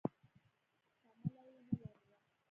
شمله يې نه لرله.